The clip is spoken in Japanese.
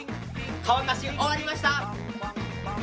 乾かし終わりました！